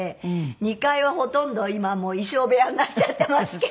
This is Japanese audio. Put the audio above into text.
２階はほとんど今もう衣装部屋になっちゃってますけど。